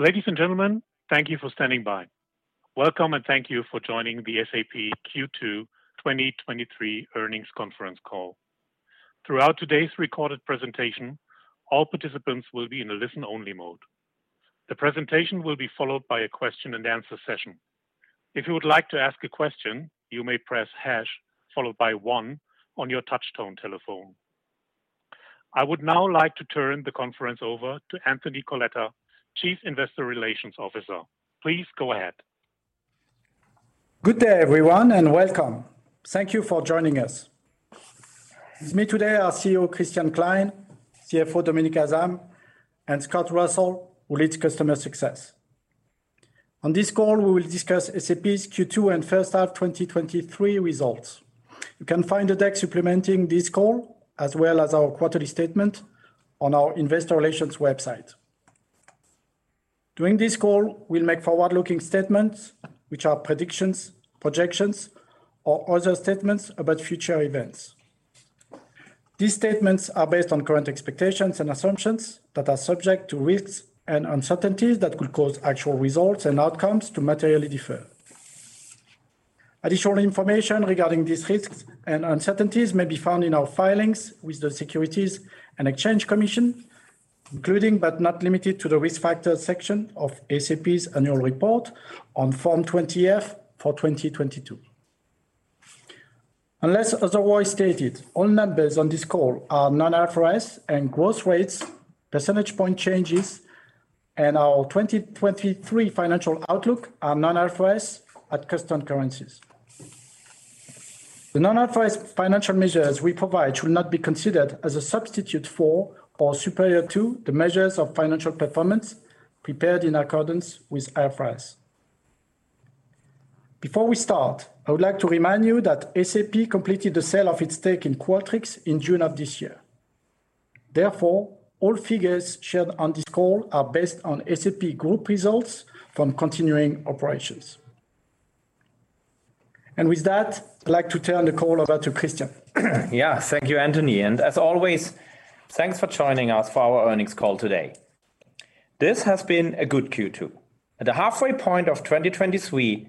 Ladies and gentlemen, thank you for standing by. Welcome and thank you for joining the SAP Q2 2023 Earnings Conference Call. Throughout today's recorded presentation, all participants will be in a listen-only mode. The presentation will be followed by a question-and-answer session. If you would like to ask a question, you may press hash followed by one on your touchtone telephone. I would now like to turn the conference over to Anthony Coletta, Chief Investor Relations Officer. Please go ahead. Good day, everyone. Welcome. Thank you for joining us. With me today are CEO Christian Klein, CFO Dominik Asam, and Scott Russell, who leads Customer Success. On this call, we will discuss SAP's Q2 and first half 2023 results. You can find the deck supplementing this call, as well as our quarterly statement on our investor relations website. During this call, we'll make forward-looking statements, which are predictions, projections, or other statements about future events. These statements are based on current expectations and assumptions that are subject to risks and uncertainties that could cause actual results and outcomes to materially differ. Additional information regarding these risks and uncertainties may be found in our filings with the Securities and Exchange Commission, including, but not limited to, the Risk Factors section of SAP's Annual Report on Form 20-F for 2022. Unless otherwise stated, all numbers on this call are non-IFRS, and growth rates, percentage point changes, and our 2023 financial outlook are non-IFRS at custom currencies. The non-IFRS financial measures we provide should not be considered as a substitute for or superior to the measures of financial performance prepared in accordance with IFRS. Before we start, I would like to remind you that SAP completed the sale of its stake in Qualtrics in June of this year. Therefore, all figures shared on this call are based on SAP Group results from continuing operations. With that, I'd like to turn the call over to Christian. Yeah. Thank you, Anthony, and as always, thanks for joining us for our earnings call today. This has been a good Q2. At the halfway point of 2023,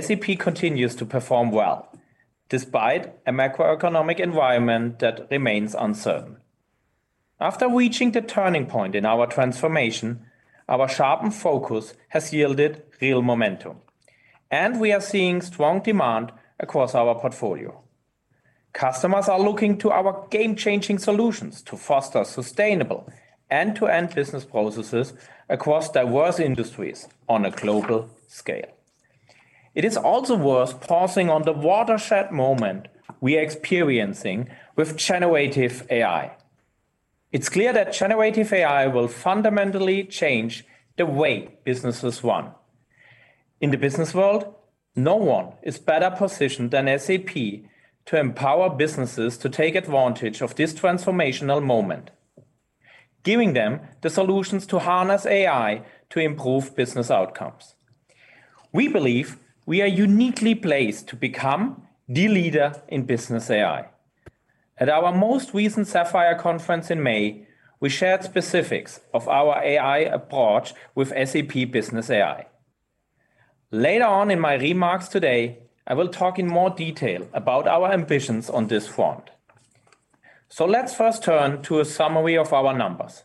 SAP continues to perform well despite a macroeconomic environment that remains uncertain. After reaching the turning point in our transformation, our sharpened focus has yielded real momentum, and we are seeing strong demand across our portfolio. Customers are looking to our game-changing solutions to foster sustainable end-to-end business processes across diverse industries on a global scale. It is also worth pausing on the watershed moment we are experiencing with generative AI. It's clear that generative AI will fundamentally change the way businesses run. In the business world, no one is better positioned than SAP to empower businesses to take advantage of this transformational moment, giving them the solutions to harness AI to improve business outcomes. We believe we are uniquely placed to become the leader in business AI. At our most recent SAP Sapphire conference in May, we shared specifics of our AI approach with SAP Business AI. Later on in my remarks today, I will talk in more detail about our ambitions on this front. Let's first turn to a summary of our numbers.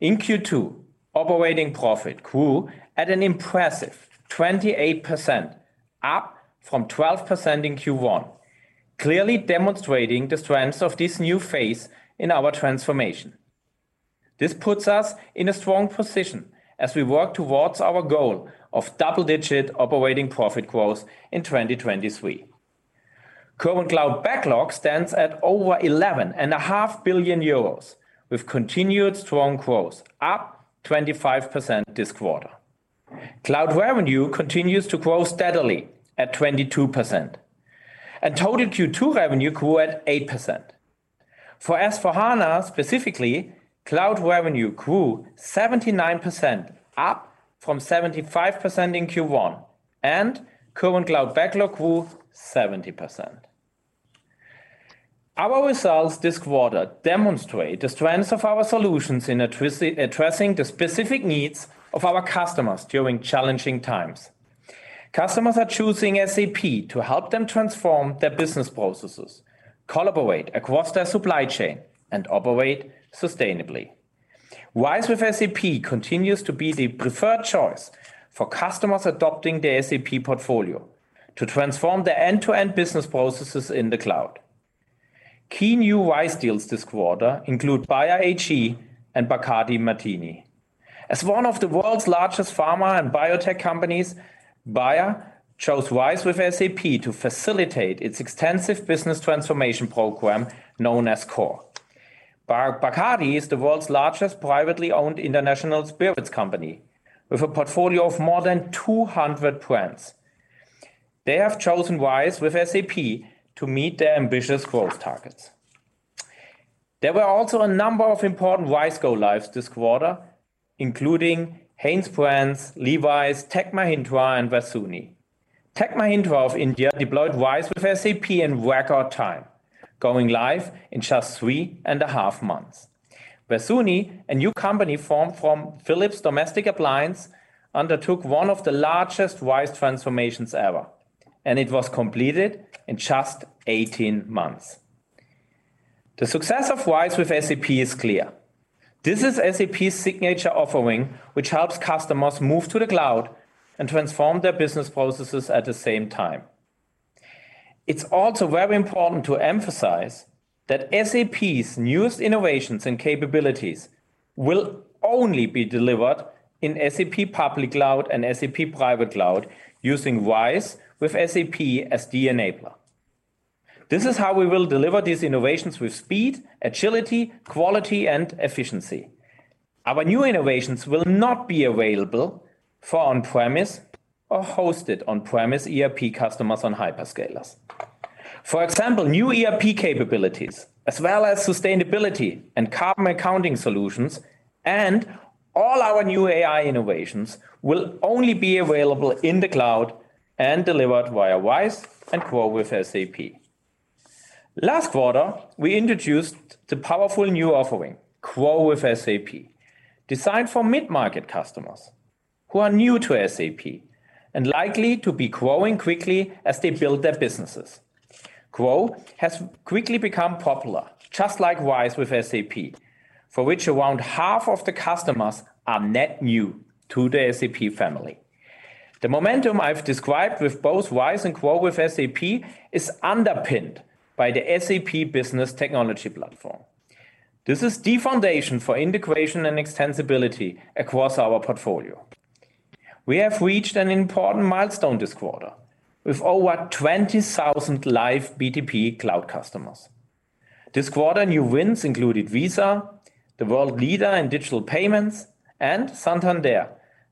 In Q2, operating profit grew at an impressive 28%, up from 12% in Q1, clearly demonstrating the strength of this new phase in our transformation. This puts us in a strong position as we work towards our goal of double-digit operating profit growth in 2023. Current cloud backlog stands at over eleven and a half billion euros, with continued strong growth, up 25% this quarter. Cloud revenue continues to grow steadily at 22%, and total Q2 revenue grew at 8%. For S/4HANA, specifically, cloud revenue grew 79%, up from 75% in Q1, and current cloud backlog grew 70%. Our results this quarter demonstrate the strength of our solutions in addressing the specific needs of our customers during challenging times. Customers are choosing SAP to help them transform their business processes, collaborate across their supply chain, and operate sustainably. RISE with SAP continues to be the preferred choice for customers adopting the SAP portfolio to transform their end-to-end business processes in the cloud. Key new RISE deals this quarter include Bayer AG and Bacardi-Martini. As one of the world's largest pharma and biotech companies, Bayer chose RISE with SAP to facilitate its extensive business transformation program known as CORE. Bacardi is the world's largest privately owned international spirits company, with a portfolio of more than 200 brands. They have chosen RISE with SAP to meet their ambitious growth targets. There were also a number of important RISE go-lives this quarter, including HanesBrands, Levi's, Tech Mahindra, and Versuni. Tech Mahindra of India deployed RISE with SAP in record time, going live in just 3.5 months. Versuni, a new company formed from Philips Domestic Appliances, undertook one of the largest RISE transformations ever, and it was completed in just 18 months. The success of RISE with SAP is clear. This is SAP's signature offering, which helps customers move to the cloud and transform their business processes at the same time. It's also very important to emphasize that SAP's newest innovations and capabilities will only be delivered in SAP Public Cloud and SAP Private Cloud using RISE with SAP as the enabler. This is how we will deliver these innovations with speed, agility, quality and efficiency. Our new innovations will not be available for on-premise or hosted on-premise ERP customers on hyperscalers. For example, new ERP capabilities, as well as sustainability and carbon accounting solutions, and all our new AI innovations will only be available in the cloud and delivered via RISE and GROW with SAP. Last quarter, we introduced the powerful new offering, GROW with SAP, designed for mid-market customers who are new to SAP and likely to be growing quickly as they build their businesses. GROW has quickly become popular, just like RISE with SAP, for which around half of the customers are net new to the SAP family. The momentum I've described with both RISE and GROW with SAP is underpinned by the SAP Business Technology Platform. This is the foundation for integration and extensibility across our portfolio. We have reached an important milestone this quarter with over 20,000 live BTP cloud customers. This quarter, new wins included Visa, the world leader in digital payments, and Santander,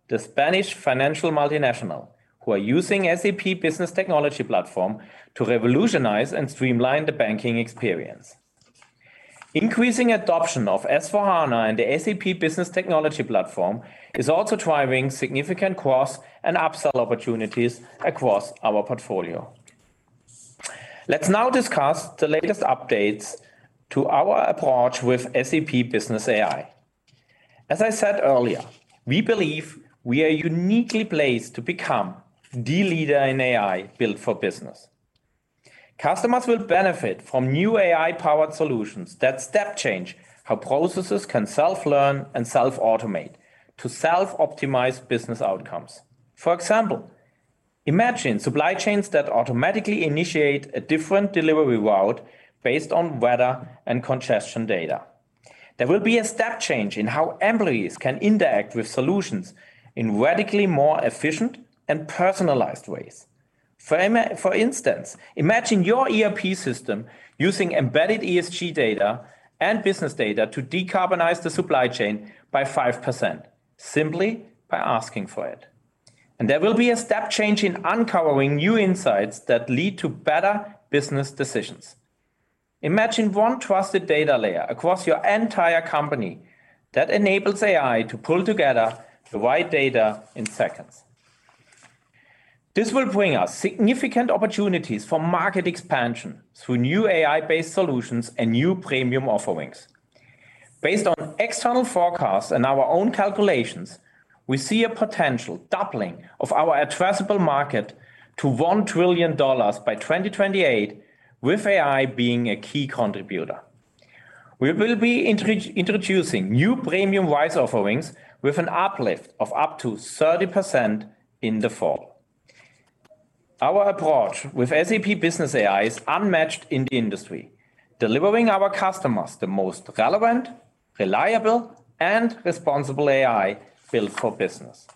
the Spanish financial multinational, who are using SAP Business Technology Platform to revolutionize and streamline the banking experience. Increasing adoption of S/4HANA and the SAP Business Technology Platform is also driving significant cross and upsell opportunities across our portfolio. Let's now discuss the latest updates to our approach with SAP Business AI. As I said earlier, we believe we are uniquely placed to become the leader in AI built for business. Customers will benefit from new AI-powered solutions that step change how processes can self-learn and self-automate to self-optimize business outcomes. For example, imagine supply chains that automatically initiate a different delivery route based on weather and congestion data. There will be a step change in how employees can interact with solutions in radically more efficient and personalized ways. For instance, imagine your ERP system using embedded ESG data and business data to decarbonize the supply chain by 5%, simply by asking for it. There will be a step change in uncovering new insights that lead to better business decisions. Imagine one trusted data layer across your entire company that enables AI to pull together the right data in seconds. This will bring us significant opportunities for market expansion through new AI-based solutions and new premium offerings. Based on external forecasts and our own calculations, we see a potential doubling of our addressable market to $1 trillion by 2028, with AI being a key contributor. We will be introducing new premium RISE offerings with an uplift of up to 30% in the fall. Our approach with SAP Business AI is unmatched in the industry, delivering our customers the most relevant, reliable, and responsible AI built for business.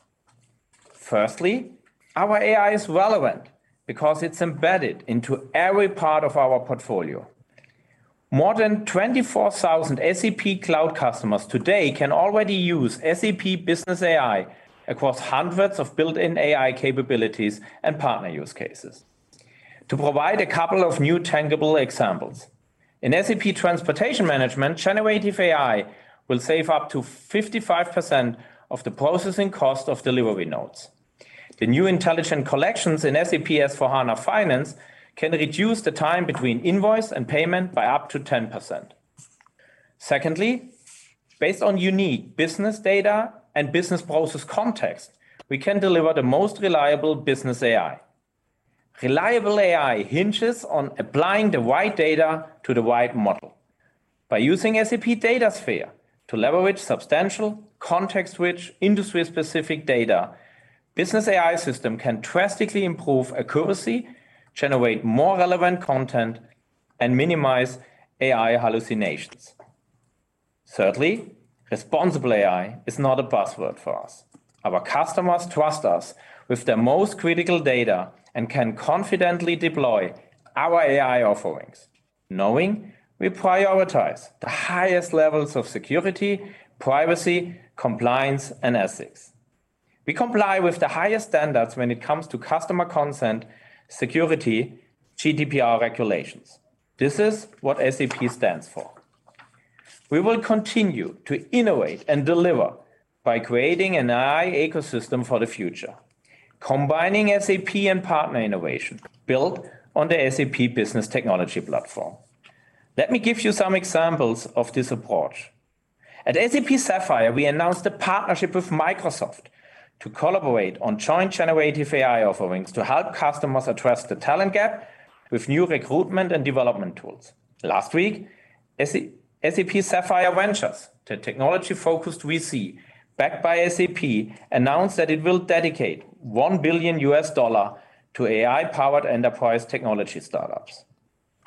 Firstly, our AI is relevant because it's embedded into every part of our portfolio. More than 24,000 SAP cloud customers today can already use SAP Business AI across hundreds of built-in AI capabilities and partner use cases. To provide a couple of new tangible examples, in SAP Transportation Management, generative AI will save up to 55% of the processing cost of delivery notes. The new intelligent collections in SAP S/4HANA Finance can reduce the time between invoice and payment by up to 10%. Secondly, based on unique business data and business process context, we can deliver the most reliable business AI. Reliable AI hinges on applying the right data to the right model. By using SAP Datasphere to leverage substantial, context-rich, industry-specific data, business AI system can drastically improve accuracy, generate more relevant content, and minimize AI hallucinations. Thirdly, responsible AI is not a buzzword for us. Our customers trust us with their most critical data and can confidently deploy our AI offerings, knowing we prioritize the highest levels of security, privacy, compliance, and ethics. We comply with the highest standards when it comes to customer consent, security, GDPR regulations. This is what SAP stands for. We will continue to innovate and deliver by creating an AI ecosystem for the future, combining SAP and partner innovation built on the SAP Business Technology Platform. Let me give you some examples of this approach. At SAP Sapphire, we announced a partnership with Microsoft to collaborate on joint generative AI offerings to help customers address the talent gap with new recruitment and development tools. Last week, SAP Sapphire Ventures, the technology-focused VC backed by SAP, announced that it will dedicate $1 billion to AI-powered enterprise technology startups.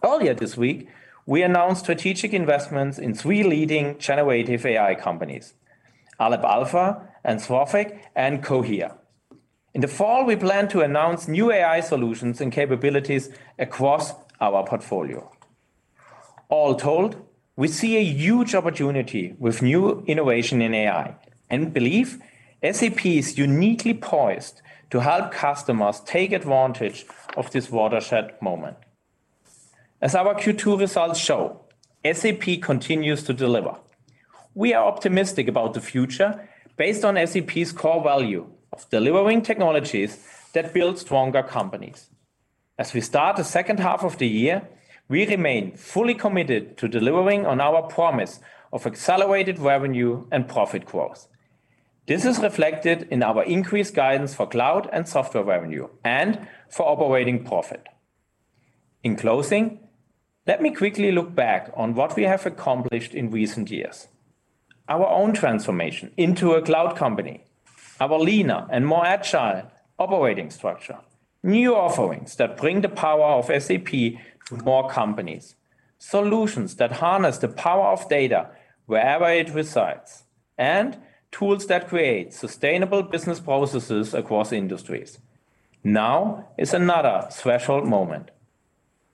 Earlier this week, we announced strategic investments in three leading generative AI companies: Aleph Alpha, Anthropic, and Cohere. In the fall, we plan to announce new AI solutions and capabilities across our portfolio. All told, we see a huge opportunity with new innovation in AI, and believe SAP is uniquely poised to help customers take advantage of this watershed moment. As our Q2 results show, SAP continues to deliver. We are optimistic about the future based on SAP's core value of delivering technologies that build stronger companies. As we start the second half of the year, we remain fully committed to delivering on our promise of accelerated revenue and profit growth. This is reflected in our increased guidance for cloud and software revenue and for operating profit. In closing, let me quickly look back on what we have accomplished in recent years. Our own transformation into a cloud company, our leaner and more agile operating structure, new offerings that bring the power of SAP to more companies, solutions that harness the power of data wherever it resides, and tools that create sustainable business processes across industries. Now is another threshold moment.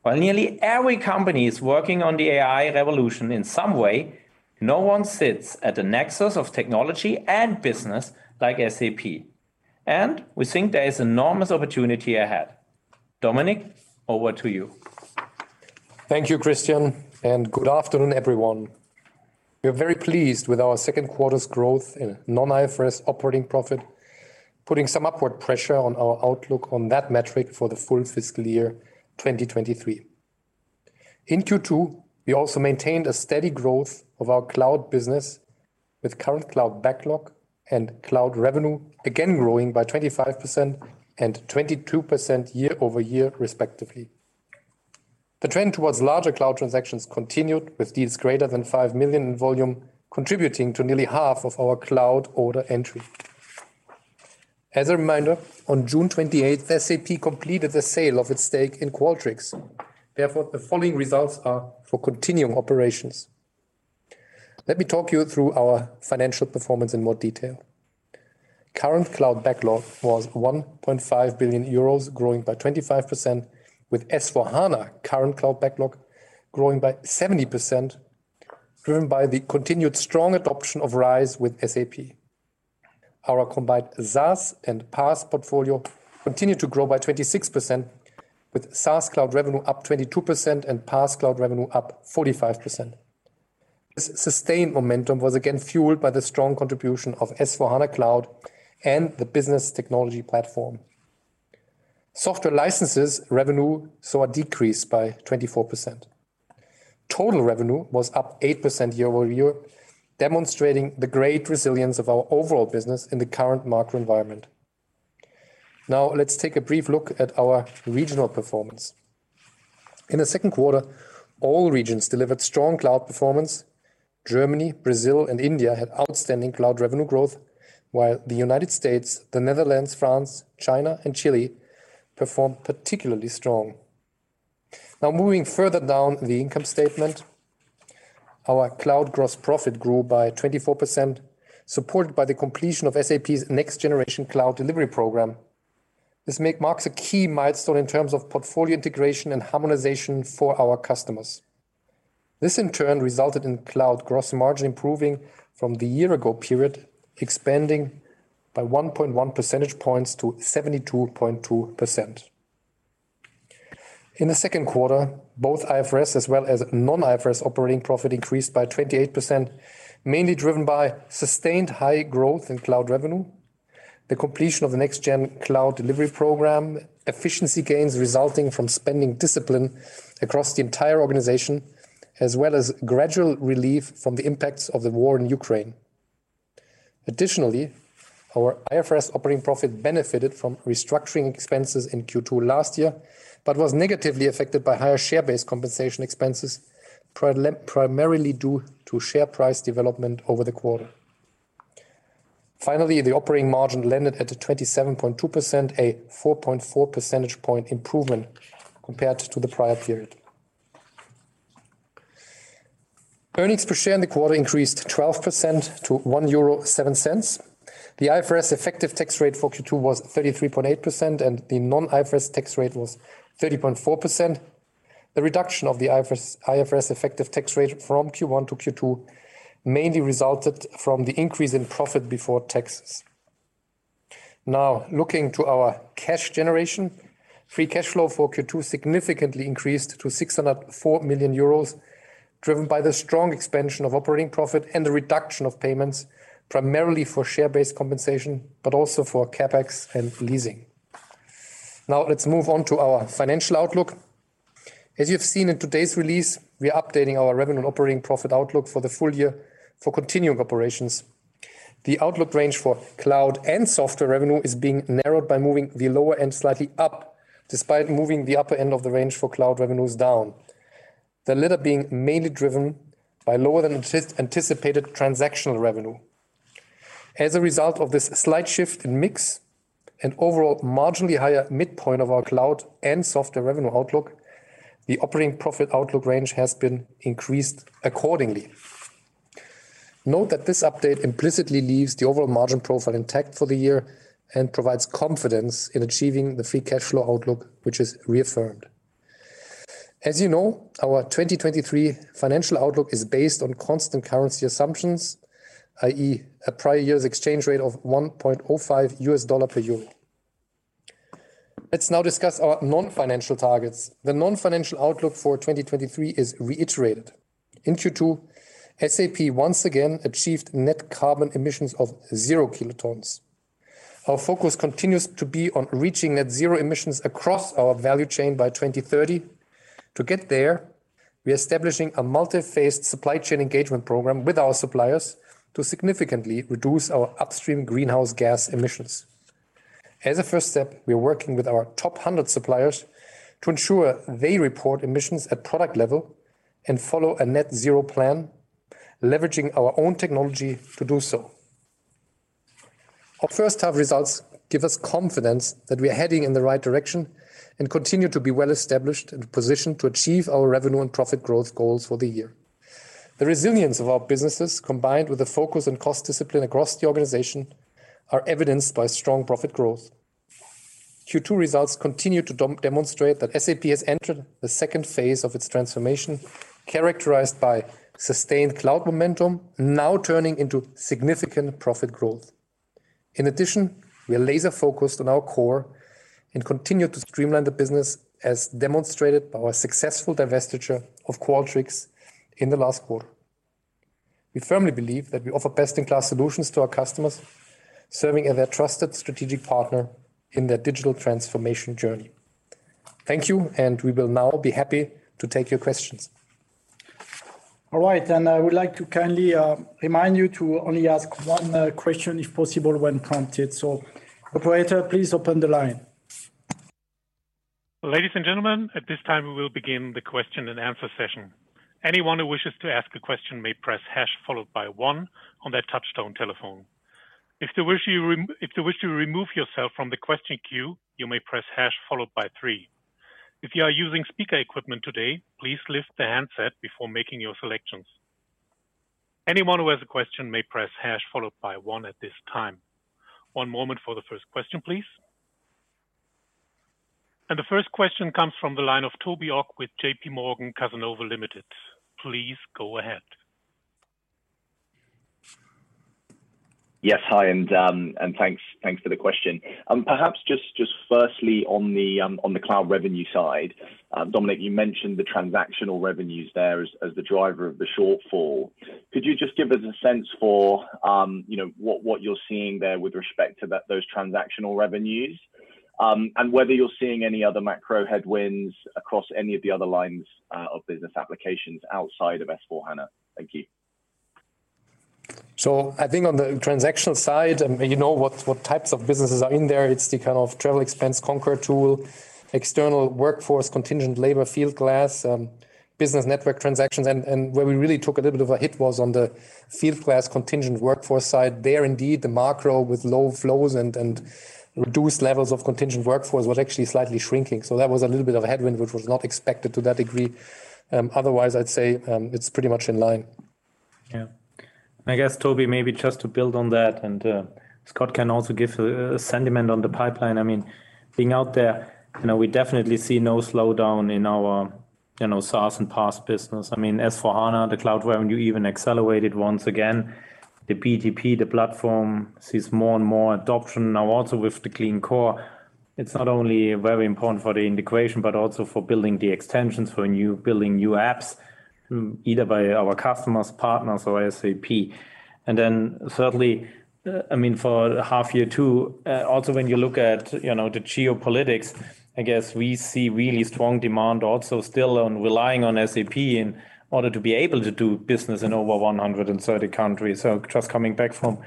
While nearly every company is working on the AI revolution in some way, no one sits at the nexus of technology and business like SAP, and we think there is enormous opportunity ahead. Dominik, over to you. Thank you, Christian, and good afternoon, everyone. We're very pleased with our second quarter's growth in non-IFRS operating profit, putting some upward pressure on our outlook on that metric for the full fiscal year 2023. In Q2, we also maintained a steady growth of our cloud business, with current cloud backlog and cloud revenue again growing by 25% and 22% year-over-year, respectively. The trend towards larger cloud transactions continued, with deals greater than 5 million in volume contributing to nearly half of our cloud order entry. As a reminder, on June 28th, SAP completed the sale of its stake in Qualtrics. Therefore, the following results are for continuing operations. Let me talk you through our financial performance in more detail. Current cloud backlog was 1.5 billion euros, growing by 25%, with S/4HANA current cloud backlog growing by 70%, driven by the continued strong adoption of RISE with SAP. Our combined SaaS and PaaS portfolio continued to grow by 26%, with SaaS cloud revenue up 22% and PaaS cloud revenue up 45%. This sustained momentum was again fueled by the strong contribution of S/4HANA Cloud and the Business Technology Platform. Software licenses revenue saw a decrease by 24%. Total revenue was up 8% year-over-year, demonstrating the great resilience of our overall business in the current market environment. Let's take a brief look at our regional performance. In the second quarter, all regions delivered strong cloud performance. Germany, Brazil, and India had outstanding cloud revenue growth, while the United States, the Netherlands, France, China, and Chile performed particularly strong. Moving further down the income statement, our cloud gross profit grew by 24%, supported by the completion of SAP's next-generation cloud delivery program. This marks a key milestone in terms of portfolio integration and harmonization for our customers. This, in turn, resulted in cloud gross margin improving from the year ago period, expanding by 1.1 percentage points to 72.2%. In the second quarter, both IFRS as well as non-IFRS operating profit increased by 28%, mainly driven by sustained high growth in cloud revenue, the completion of the next-gen cloud delivery program, efficiency gains resulting from spending discipline across the entire organization, as well as gradual relief from the impacts of the war in Ukraine. Additionally, our IFRS operating profit benefited from restructuring expenses in Q2 last year, but was negatively affected by higher share-based compensation expenses, primarily due to share price development over the quarter. Finally, the operating margin landed at a 27.2%, a 4.4 percentage point improvement compared to the prior period. Earnings per share in the quarter increased 12% to 1.07 euro. The IFRS effective tax rate for Q2 was 33.8%, and the non-IFRS tax rate was 30.4%. The reduction of the IFRS effective tax rate from Q1 to Q2 mainly resulted from the increase in profit before taxes. Looking to our cash generation. Free cash flow for Q2 significantly increased to 604 million euros, driven by the strong expansion of operating profit and the reduction of payments, primarily for share-based compensation, but also for CapEx and leasing. Let's move on to our financial outlook. As you've seen in today's release, we are updating our revenue and operating profit outlook for the full year for continuing operations. The outlook range for cloud and software revenue is being narrowed by moving the lower end slightly up, despite moving the upper end of the range for cloud revenues down. The latter being mainly driven by lower than anticipated transactional revenue. As a result of this slight shift in mix and overall marginally higher midpoint of our cloud and software revenue outlook, the operating profit outlook range has been increased accordingly. Note that this update implicitly leaves the overall margin profile intact for the year and provides confidence in achieving the free cash flow outlook, which is reaffirmed. As you know, our 2023 financial outlook is based on constant currency assumptions, i.e., a prior year's exchange rate of 1.05 US dollar per EUR. Let's now discuss our non-financial targets. The non-financial outlook for 2023 is reiterated. In Q2, SAP once again achieved net carbon emissions of 0 kilotons. Our focus continues to be on reaching net zero emissions across our value chain by 2030. To get there, we are establishing a multi-phased supply chain engagement program with our suppliers to significantly reduce our upstream greenhouse gas emissions. As a first step, we are working with our top 100 suppliers to ensure they report emissions at product level and follow a net zero plan, leveraging our own technology to do so. Our first half results give us confidence that we are heading in the right direction and continue to be well-established and positioned to achieve our revenue and profit growth goals for the year. The resilience of our businesses, combined with a focus on cost discipline across the organization, are evidenced by strong profit growth. Q2 results continue to demonstrate that SAP has entered the second phase of its transformation, characterized by sustained cloud momentum, now turning into significant profit growth. We are laser focused on our core and continue to streamline the business, as demonstrated by our successful divestiture of Qualtrics in the last quarter. We firmly believe that we offer best-in-class solutions to our customers, serving as their trusted strategic partner in their digital transformation journey. Thank you, we will now be happy to take your questions. All right, I would like to kindly remind you to only ask one question, if possible, when prompted. Operator, please open the line. Ladies and gentlemen, at this time, we will begin the question and answer session. Anyone who wishes to ask a question may press hash followed by 1 on their touchtone telephone. If you wish to remove yourself from the question queue, you may press hash followed by 3. If you are using speaker equipment today, please lift the handset before making your selections. Anyone who has a question may press hash followed by 1 at this time. 1 moment for the first question, please. The first question comes from the line of Toby Ogg with JPMorgan Cazenove Limited. Please go ahead. Hi, and thanks for the question. Perhaps just firstly on the cloud revenue side, Dominik, you mentioned the transactional revenues there as the driver of the shortfall. Could you just give us a sense for, you know, what you're seeing there with respect to those transactional revenues? Whether you're seeing any other macro headwinds across any of the other lines of business applications outside of S/4HANA? Thank you. I think on the transactional side, and you know what types of businesses are in there, it's the kind of travel expense, Concur tool, external workforce, contingent labor, Fieldglass, business network transactions. Where we really took a little bit of a hit was on the Fieldglass contingent workforce side. There, indeed, the macro with low flows and reduced levels of contingent workforce was actually slightly shrinking. That was a little bit of a headwind, which was not expected to that degree. Otherwise, I'd say, it's pretty much in line. Yeah. I guess, Toby, maybe just to build on that, Scott can also give a sentiment on the pipeline. I mean, being out there, you know, we definitely see no slowdown in our, you know, SaaS and PaaS business. I mean, S/4HANA, the cloud revenue even accelerated once again. The BTP, the platform, sees more and more adoption now also with the clean core. It's not only very important for the integration, but also for building the extensions for building new apps, either by our customers, partners, or SAP. Then certainly, I mean, for half year two, also, when you look at, you know, the geopolitics, I guess we see really strong demand also still on relying on SAP in order to be able to do business in over 130 countries. Just coming back from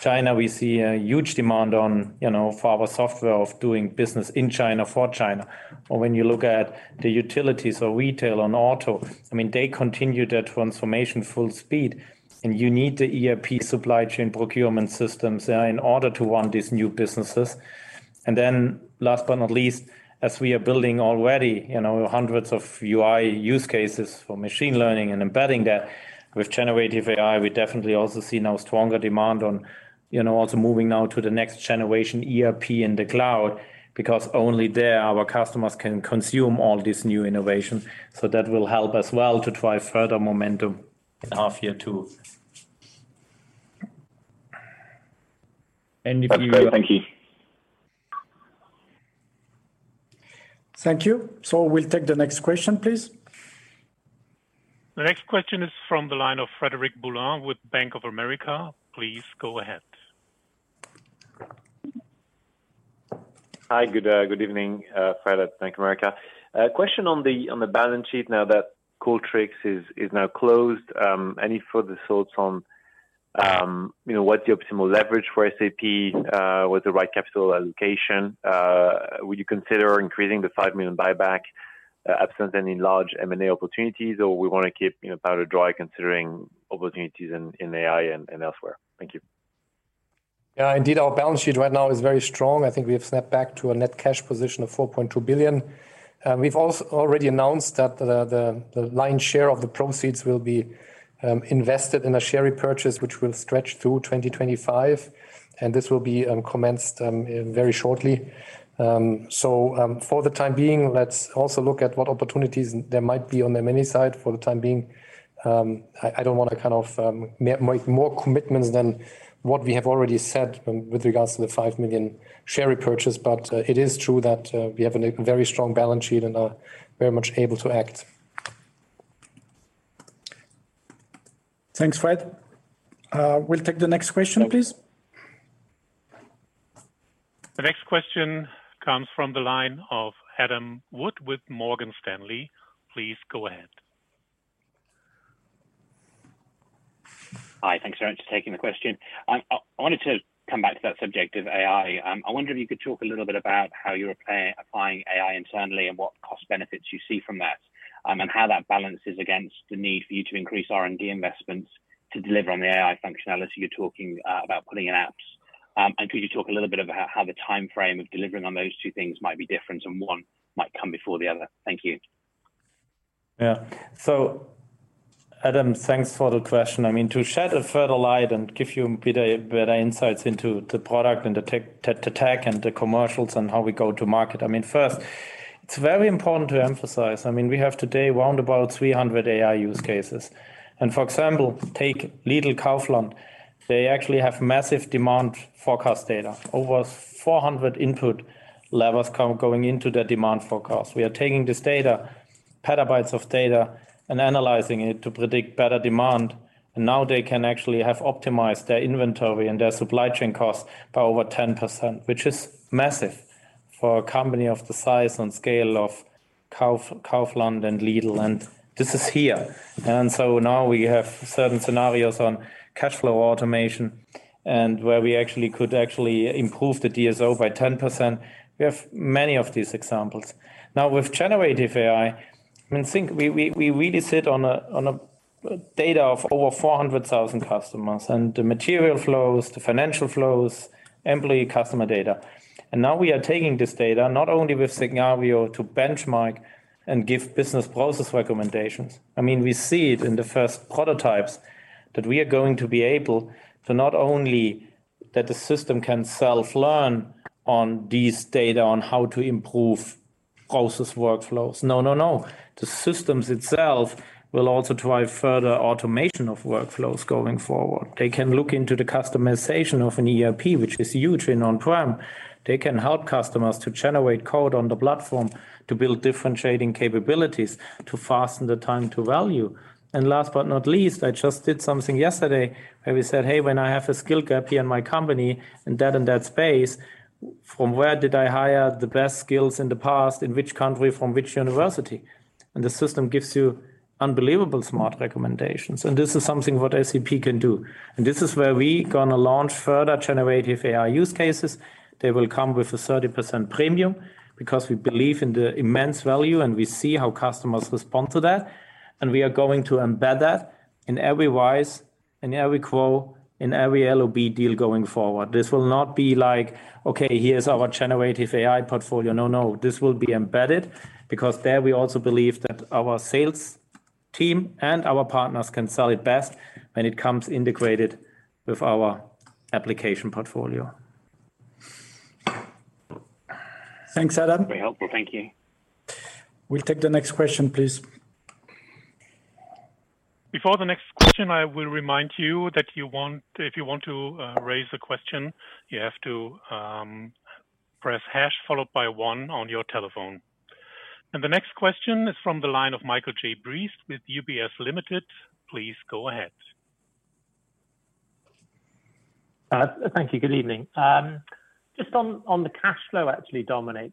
China, we see a huge demand on, you know, for our software of doing business in China, for China. When you look at the utilities or retail and auto, I mean, they continue their transformation full speed, and you need the ERP supply chain procurement systems there in order to run these new businesses. Last but not least, as we are building already, you know, hundreds of UI use cases for machine learning and embedding that with generative AI, we definitely also see now stronger demand on, you know, also moving now to the next generation ERP in the cloud, because only there our customers can consume all these new innovations. That will help as well to drive further momentum. In a half year, too. That's great. Thank you. Thank you. We'll take the next question, please. The next question is from the line of Frederic Boulan with Bank of America. Please go ahead. Hi, good good evening, Fred at Bank of America. A question on the balance sheet now that Qualtrics is now closed. Any further thoughts on, you know, what's the optimal leverage for SAP, what's the right capital allocation? Would you consider increasing the 5 million buyback, absent any large M&A opportunities, or we want to keep, you know, powder dry considering opportunities in AI and elsewhere? Thank you. Yeah, indeed, our balance sheet right now is very strong. I think we have snapped back to a net cash position of 4.2 billion. We've already announced that the lion's share of the proceeds will be invested in a share repurchase, which will stretch through 2025. This will be commenced very shortly. For the time being, let's also look at what opportunities there might be on the M&A side for the time being. I don't want to kind of make more commitments than what we have already said with regards to the 5 million share repurchase. It is true that we have a very strong balance sheet and are very much able to act. Thanks, Fred. We'll take the next question, please. The next question comes from the line of Adam Wood with Morgan Stanley. Please go ahead. Hi, thanks very much for taking the question. I wanted to come back to that subject of AI. I wonder if you could talk a little bit about how you're applying AI internally, and what cost benefits you see from that, and how that balances against the need for you to increase R&D investments to deliver on the AI functionality you're talking about putting in apps. Could you talk a little bit about how the timeframe of delivering on those two things might be different, and one might come before the other? Thank you. Yeah. Adam, thanks for the question. To shed a further light and give you a bit better insights into the product and the tech and the commercials and how we go to market. First, it's very important to emphasize, we have today round about 300 AI use cases, and for example, take Lidl, Kaufland. They actually have massive demand forecast data. Over 400 input levels going into their demand forecast. We are taking this data, petabytes of data, and analyzing it to predict better demand, and now they can actually have optimized their inventory and their supply chain costs by over 10%, which is massive for a company of the size and scale of Kaufland and Lidl, and this is here. Now we have certain scenarios on cash flow automation and where we actually could actually improve the DSO by 10%. We have many of these examples. Now, with generative AI, I mean, think we really sit on a data of over 400,000 customers, and the material flows, the financial flows, employee, customer data. Now we are taking this data not only with Signavio to benchmark and give business process recommendations. I mean, we see it in the first prototypes that we are going to be able to not only that the system can self-learn on these data on how to improve process workflows. No, no. The systems itself will also drive further automation of workflows going forward. They can look into the customization of an ERP, which is huge in on-prem. They can help customers to generate code on the platform to build differentiating capabilities to fasten the time to value. Last but not least, I just did something yesterday where we said, "Hey, when I have a skill gap here in my company, in that and that space, from where did I hire the best skills in the past, in which country, from which university?" The system gives you unbelievable smart recommendations. This is something what SAP can do. This is where we're going to launch further generative AI use cases. They will come with a 30% premium because we believe in the immense value, and we see how customers respond to that, and we are going to embed that in every RISE, in every GROW, in every LOB deal going forward. This will not be like, "Okay, here's our generative AI portfolio." No, no, this will be embedded because there we also believe that our sales team and our partners can sell it best when it comes integrated with our application portfolio. Thanks, Adam. Very helpful. Thank you. We'll take the next question, please. Before the next question, I will remind you that if you want to raise a question, you have to press hash followed by 1 on your telephone. The next question is from the line of Michael Briest with UBS Limited. Please go ahead. Thank you. Good evening. Just on the cash flow, actually, Dominik,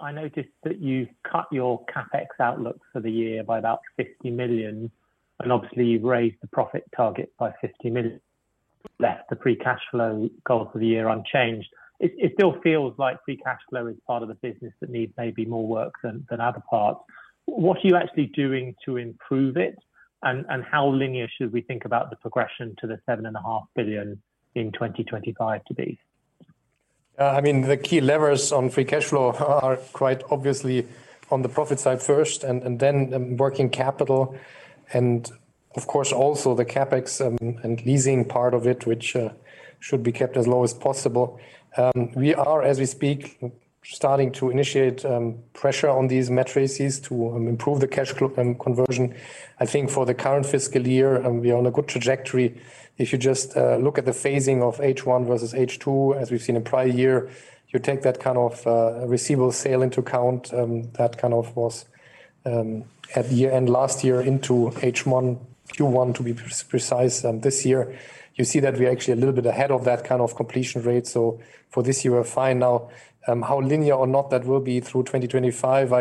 I noticed that you've cut your CapEx outlook for the year by about 50 million, and obviously, you've raised the profit target by 50 million, left the free cash flow goal for the year unchanged. It still feels like free cash flow is part of the business that needs maybe more work than other parts. What are you actually doing to improve it, and how linear should we think about the progression to the 7.5 billion in 2025 to be?... I mean, the key levers on free cash flow are quite obviously on the profit side first, and then working capital, and of course, also the CapEx and leasing part of it, which should be kept as low as possible. We are, as we speak, starting to initiate pressure on these matrices to improve the cash flow and conversion. I think for the current fiscal year, we are on a good trajectory. If you just look at the phasing of H1 versus H2, as we've seen in prior year, you take that kind of receivable sale into account, that kind of was at the year end last year into H1, Q1, to be precise. This year, you see that we're actually a little bit ahead of that kind of completion rate. For this year, we're fine now. How linear or not that will be through 2025,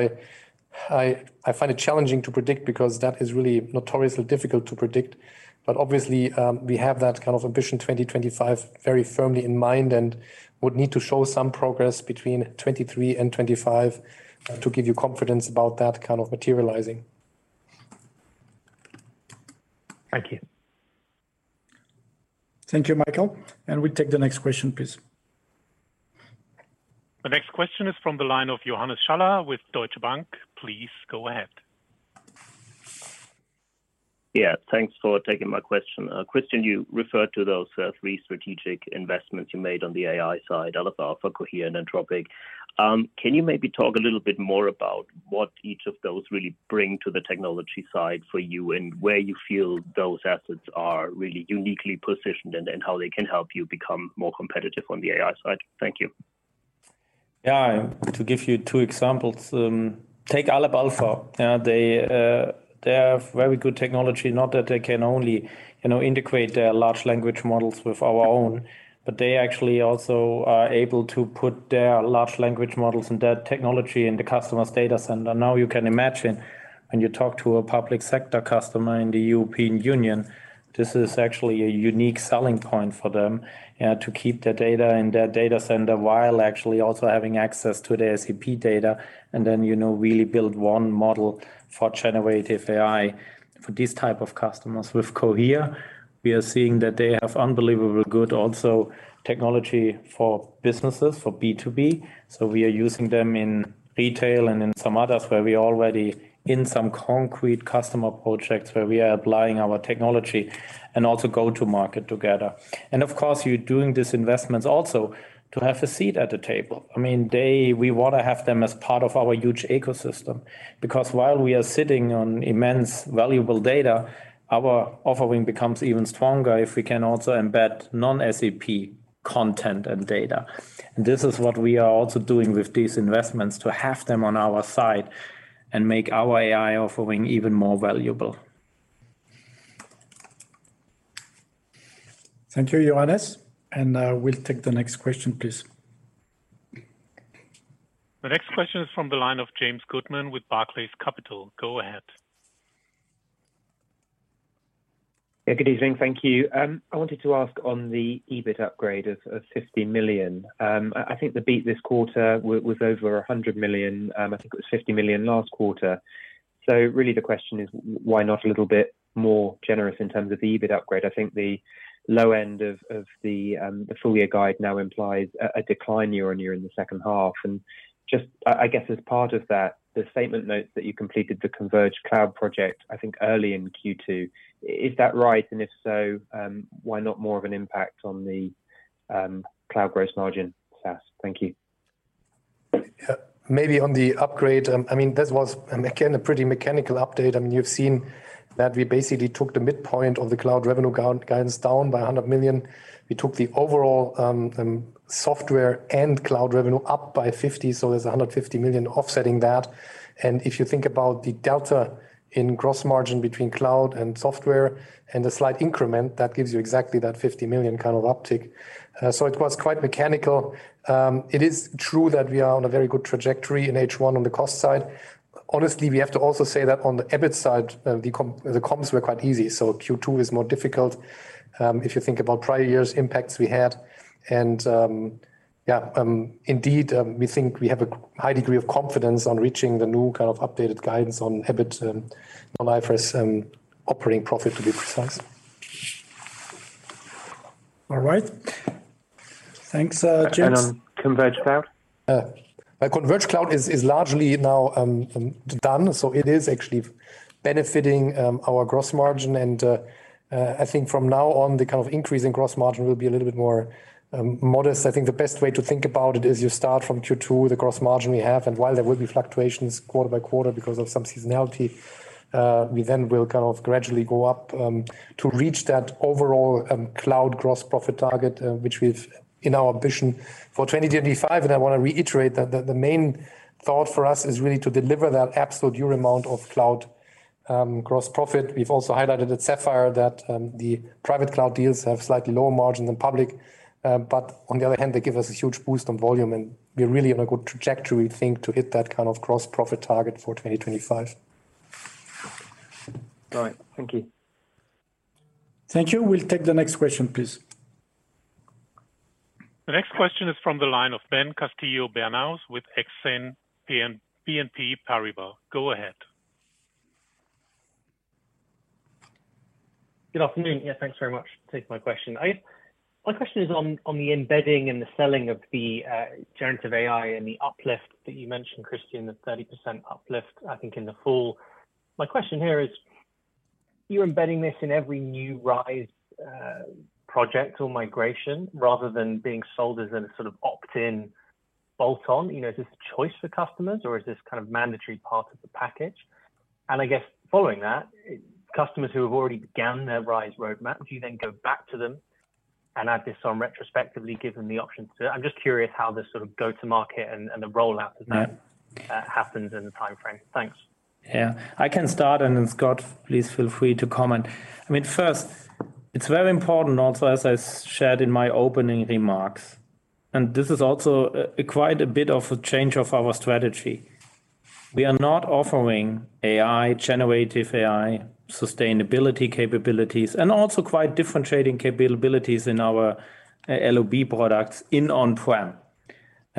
I find it challenging to predict because that is really notoriously difficult to predict. Obviously, we have that kind of ambition, 2025, very firmly in mind, and would need to show some progress between 2023 and 2025 to give you confidence about that kind of materializing. Thank you. Thank you, Michael. We take the next question, please. The next question is from the line of Johannes Schaller with Deutsche Bank. Please go ahead. Yeah, thanks for taking my question. Christian, you referred to those, three strategic investments you made on the AI side, Aleph Alpha, Cohere, and Anthropic. Can you maybe talk a little bit more about what each of those really bring to the technology side for you, and where you feel those assets are really uniquely positioned, and then how they can help you become more competitive on the AI side? Thank you. To give you two examples, take Aleph Alpha. They have very good technology. Not that they can only, you know, integrate their large language models with our own, but they actually also are able to put their large language models and their technology in the customer's data center. You can imagine, when you talk to a public sector customer in the European Union, this is actually a unique selling point for them, to keep their data in their data center, while actually also having access to their SAP data, and then, you know, really build one model for generative AI for these type of customers. Cohere, we are seeing that they have unbelievable good also technology for businesses, for B2B. We are using them in retail and in some others, where we are already in some concrete customer projects, where we are applying our technology and also go to market together. Of course, you're doing these investments also to have a seat at the table. I mean, we want to have them as part of our huge ecosystem, because while we are sitting on immense, valuable data, our offering becomes even stronger if we can also embed non-SAP content and data. This is what we are also doing with these investments, to have them on our side and make our AI offering even more valuable. Thank you, Johannes. We'll take the next question, please. The next question is from the line of James Goodman with Barclays Capital. Go ahead. Yeah, good evening. Thank you. I wanted to ask on the EBIT upgrade of 50 million. I think the beat this quarter was over 100 million. I think it was 50 million last quarter. Really, the question is, why not a little bit more generous in terms of the EBIT upgrade? I think the low end of the full year guide now implies a decline year-on-year in the second half. Just, I guess as part of that, the statement notes that you completed the Converge Cloud project, I think early in Q2. Is that right? If so, why not more of an impact on the cloud gross margin, SaaS? Thank you. Maybe on the upgrade, I mean, this was, again, a pretty mechanical update. You've seen that we basically took the midpoint of the cloud revenue guidance down by 100 million. We took the overall software and cloud revenue up by 50, there's 150 million offsetting that. If you think about the delta in gross margin between cloud and software, and the slight increment, that gives you exactly that 50 million kind of uptick. It was quite mechanical. It is true that we are on a very good trajectory in H one on the cost side. Honestly, we have to also say that on the EBIT side, the comps were quite easy, Q2 is more difficult if you think about prior years impacts we had. we think we have a high degree of confidence on reaching the new kind of updated guidance on EBIT, on IFRS operating profit, to be precise. All right. Thanks, James. On Converge Cloud? Converge Cloud is largely now done. It is actually benefiting our gross margin. I think from now on, the kind of increase in gross margin will be a little bit more modest. I think the best way to think about it is you start from Q2, the gross margin we have. While there will be fluctuations quarter by quarter because of some seasonality, we then will kind of gradually go up to reach that overall cloud gross profit target, which we've in our ambition for 2025. I want to reiterate that the main thought for us is really to deliver that absolute EUR amount of cloud gross profit. We've also highlighted at Sapphire that the private cloud deals have slightly lower margin than public. On the other hand, they give us a huge boost on volume, and we're really on a good trajectory, I think, to hit that kind of gross profit target for 2025. All right. Thank you. Thank you. We'll take the next question, please. The next question is from the line of Ben Castillo-Bernaus with Exane BNP Paribas. Go ahead. Good afternoon. Yeah, thanks very much for taking my question. My question is on the embedding and the selling of the generative AI and the uplift that you mentioned, Christian, the 30% uplift, I think, in the fall. My question here is, you're embedding this in every new RISE project or migration rather than being sold as a sort of opt-in bolt-on. You know, is this a choice for customers, or is this kind of mandatory part of the package? And I guess following that, customers who have already begun their RISE roadmap, do you then go back to them and add this on retrospectively, give them the option to? I'm just curious how this sort of go-to-market and the rollout of that happens and the timeframe. Thanks. Yeah, I can start, and then, Scott, please feel free to comment. I mean, first, it's very important also, as I shared in my opening remarks, this is also quite a bit of a change of our strategy. We are not offering AI, generative AI, sustainability capabilities, also quite differentiating capabilities in our LOB products in on-prem.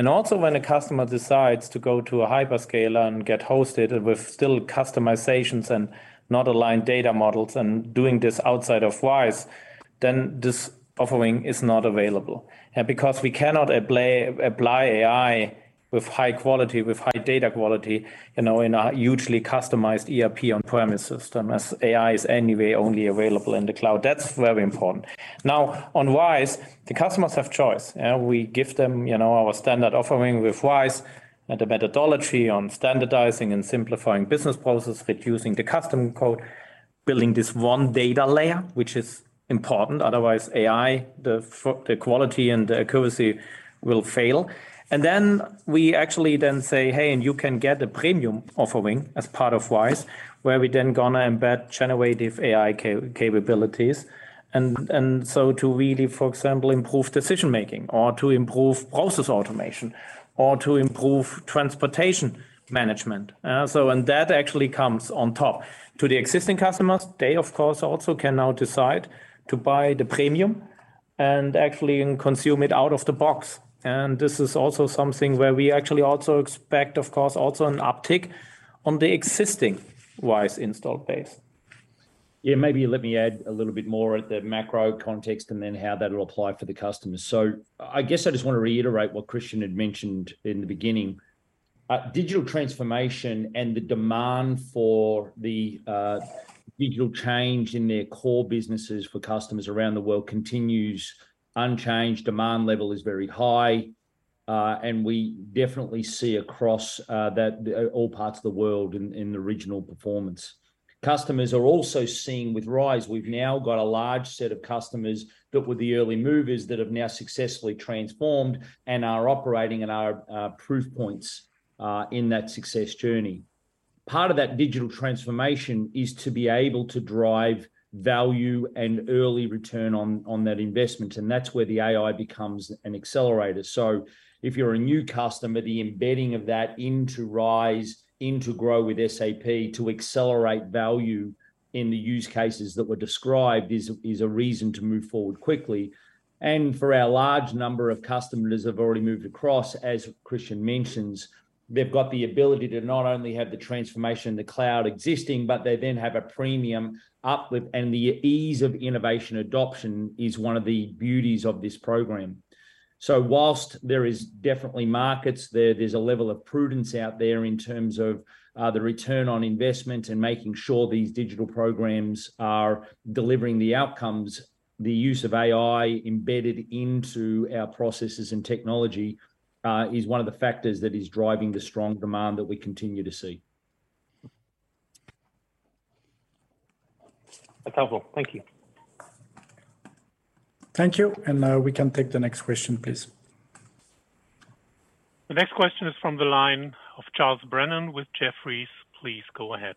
Also, when a customer decides to go to a hyperscaler and get hosted with still customizations and not aligned data models, doing this outside of RISE, this offering is not available. Because we cannot apply AI with high quality, with high data quality, you know, in a hugely customized ERP on-premise system, as AI is anyway only available in the cloud. That's very important. Now, on RISE, the customers have choice, and we give them, you know, our standard offering with RISE and the methodology on standardizing and simplifying business processes, reducing the custom code, building this one data layer, which is important, otherwise AI, the quality and the accuracy will fail. Then we actually then say, "Hey, you can get a premium offering as part of RISE," where we're then gonna embed generative AI capabilities. To really, for example, improve decision-making, or to improve process automation, or to improve transportation management. That actually comes on top. To the existing customers, they, of course, also can now decide to buy the premium and actually consume it out of the box. This is also something where we actually also expect, of course, also an uptick on the existing RISE installed base. Yeah, maybe let me add a little bit more at the macro context then how that will apply for the customers. I guess I just want to reiterate what Christian Klein had mentioned in the beginning. Digital transformation and the demand for the digital change in their core businesses for customers around the world continues unchanged. Demand level is very high, we definitely see across that all parts of the world in the regional performance. Customers are also seeing with RISE, we've now got a large set of customers that were the early movers that have now successfully transformed and are operating and are proof points in that success journey. Part of that digital transformation is to be able to drive value and early return on that investment, that's where the AI becomes an accelerator. If you're a new customer, the embedding of that into RISE, into GROW with SAP to accelerate value in the use cases that were described is a reason to move forward quickly. For our large number of customers that have already moved across, as Christian mentions, they've got the ability to not only have the transformation in the cloud existing, but they then have a premium uplift, and the ease of innovation adoption is one of the beauties of this program. Whilst there is definitely markets there's a level of prudence out there in terms of the return on investment and making sure these digital programs are delivering the outcomes, the use of AI embedded into our processes and technology, is one of the factors that is driving the strong demand that we continue to see. That's helpful. Thank you. Thank you, we can take the next question, please. The next question is from the line of Charles Brennan with Jefferies. Please go ahead.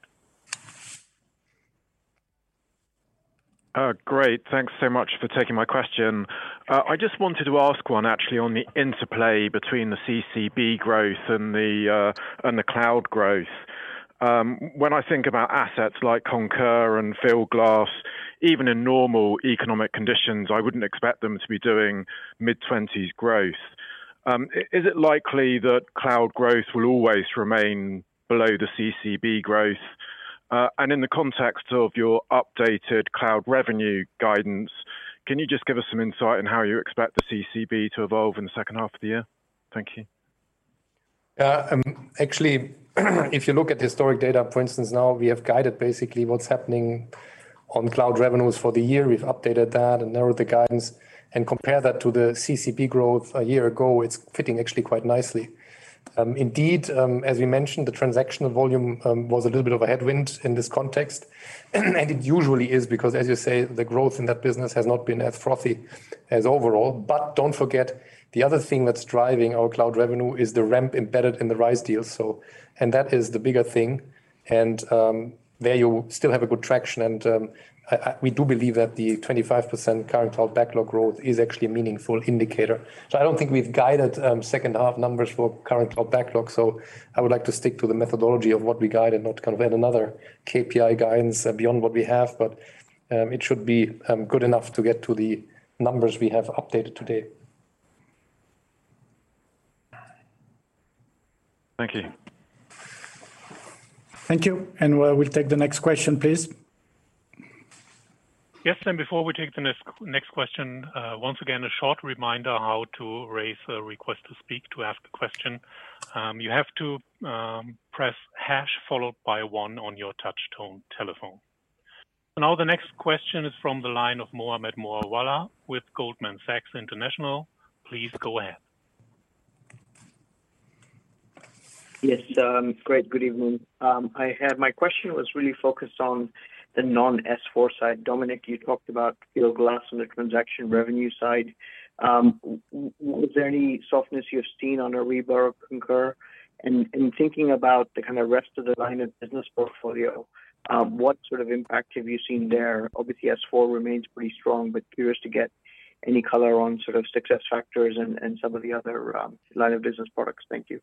Great. Thanks so much for taking my question. I just wanted to ask one actually on the interplay between the CCB growth and the cloud growth. When I think about assets like Concur and Fieldglass, even in normal economic conditions, I wouldn't expect them to be doing mid-20s growth. Is it likely that cloud growth will always remain below the CCB growth? In the context of your updated cloud revenue guidance, can you just give us some insight on how you expect the CCB to evolve in the second half of the year? Thank you. Actually, if you look at the historic data, for instance, now, we have guided basically what's happening on cloud revenues for the year. We've updated that and narrowed the guidance. Compare that to the CCB growth a year ago, it's fitting actually quite nicely. Indeed, as you mentioned, the transactional volume was a little bit of a headwind in this context. It usually is, because, as you say, the growth in that business has not been as frothy as overall. Don't forget, the other thing that's driving our cloud revenue is the ramp embedded in the RISE deal, so. That is the bigger thing. There you still have a good traction, and we do believe that the 25% current cloud backlog growth is actually a meaningful indicator. I don't think we've guided, second half numbers for current cloud backlog, so I would like to stick to the methodology of what we guided, not kind of add another KPI guidance beyond what we have. It should be good enough to get to the numbers we have updated today. Thank you. Thank you. We'll take the next question, please. Yes, before we take the next question, once again, a short reminder how to raise a request to speak, to ask a question. You have to, press hash followed by one on your touch-tone telephone. Now, the next question is from the line of Mohammed Moawalla with Goldman Sachs International. Please go ahead. Yes, great. Good evening. My question was really focused on the non-S/4 side. Dominik, you talked about Fieldglass and the transaction revenue side. Was there any softness you've seen on Ariba or Concur? In thinking about the kind of rest of the line of business portfolio, what sort of impact have you seen there? Obviously, S/4 remains pretty strong, but curious to get any color on sort of SuccessFactors and some of the other line of business products. Thank you.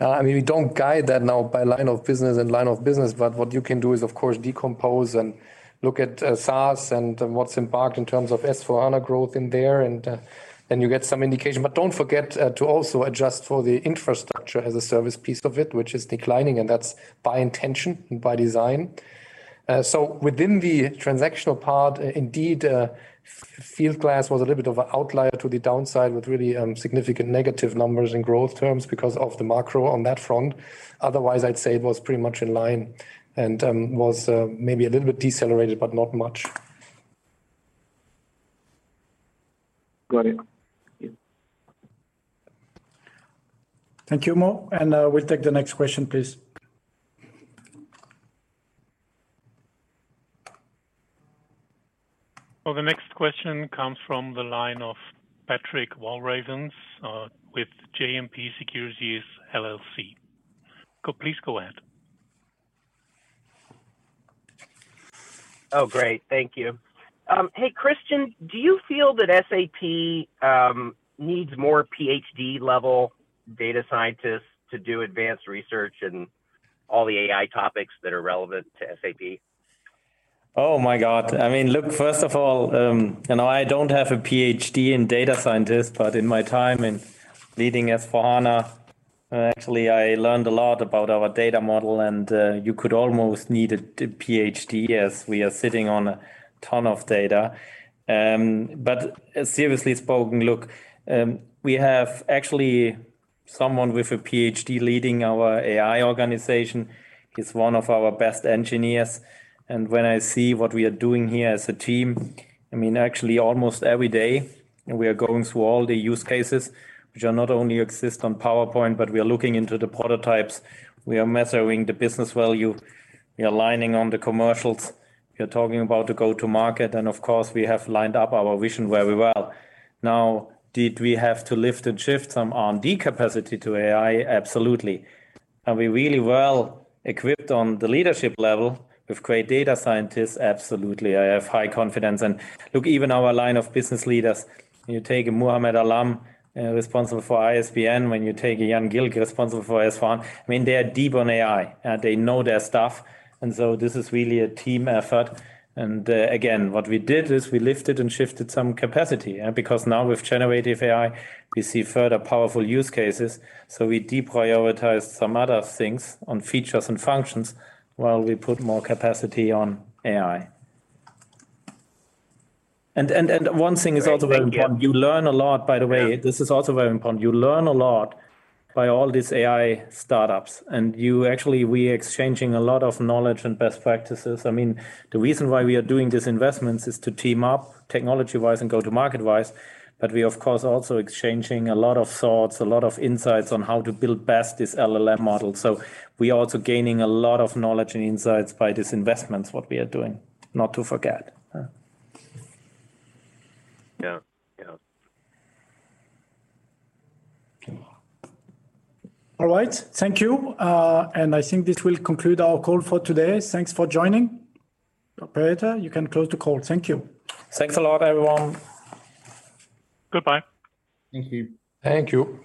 I mean, we don't guide that now by line of business and line of business, but what you can do is, of course, decompose and look at SaaS and what's embarked in terms of S/4HANA growth in there, then you get some indication. Don't forget to also adjust for the infrastructure as a service piece of it, which is declining, and that's by intention and by design. Within the transactional part, indeed, Fieldglass was a little bit of an outlier to the downside, with really significant negative numbers in growth terms because of the macro on that front. Otherwise, I'd say it was pretty much in line and was maybe a little bit decelerated, but not much. Got it. Yeah. Thank you, Mo. We'll take the next question, please. Well, the next question comes from the line of Patrick Walravens with JMP Securities LLC. Please go ahead. Oh, great. Thank you. Hey, Christian, do you feel that SAP needs more PhD-level data scientists to do advanced research in all the AI topics that are relevant to SAP? Oh, my God! I mean, look, first of all, you know, I don't have a PhD in data scientist. In my time in leading S/4HANA, actually, I learned a lot about our data model, you could almost need a PhD, as we are sitting on a ton of data. Seriously spoken, look, we have actually someone with a PhD leading our AI organization. He's one of our best engineers. When I see what we are doing here as a team, I mean, actually, almost every day, we are going through all the use cases, which are not only exist on PowerPoint, we are looking into the prototypes. We are measuring the business value. We are aligning on the commercials. We are talking about the go-to-market. Of course, we have lined up our vision very well. Now, did we have to lift and shift some R&D capacity to AI? Absolutely. Are we really well equipped on the leadership level with great data scientists? Absolutely. I have high confidence. Look, even our line of business leaders, when you take a Muhammad Alam, responsible for ISBN, when you take a Jan Gilg, responsible for S/4, I mean, they are deep on AI, they know their stuff, so this is really a team effort. Again, what we did is we lifted and shifted some capacity, because now with generative AI, we see further powerful use cases, so we deprioritized some other things on features and functions, while we put more capacity on AI. One thing is also very important. Yeah. You learn a lot, by the way, this is also very important. You learn a lot by all these AI startups. We're exchanging a lot of knowledge and best practices. I mean, the reason why we are doing these investments is to team up technology-wise and go-to-market wise. We, of course, also exchanging a lot of thoughts, a lot of insights on how to build best this LLM model. We are also gaining a lot of knowledge and insights by these investments, what we are doing, not to forget. Yeah. Yeah. Okay. All right. Thank you. I think this will conclude our call for today. Thanks for joining. Operator, you can close the call. Thank you. Thanks a lot, everyone. Goodbye. Thank you. Thank you.